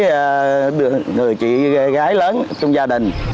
những người chị gái lớn trong gia đình